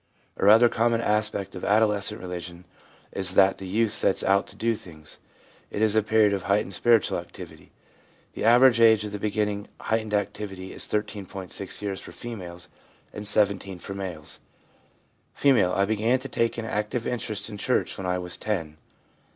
A rather common aspect of adolescent religion is that the youth sets out to do things; it is a period of heightened spiritual activity. The average age of the beginning of heightened activity is 13.6 years for females, and 17 years for males. F. ' I began to take an active interest in church when I was 10/ M.